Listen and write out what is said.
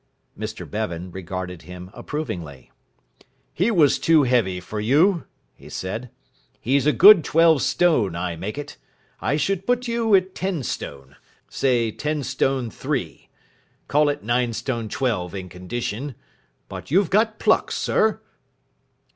Mr Bevan regarded him approvingly. "He was too heavy for you," he said. "He's a good twelve stone, I make it. I should put you at ten stone say ten stone three. Call it nine stone twelve in condition. But you've got pluck, sir."